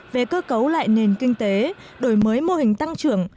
về cơ cấu lại nền kinh tế đổi mới mô hình tăng trưởng